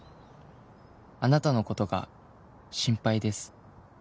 「あなたのことが心配です」